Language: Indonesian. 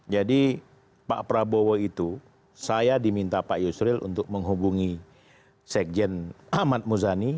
jadi pak prabowo itu saya diminta pak yusril untuk menghubungi sekjen ahmad muzani